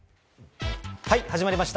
始まりました。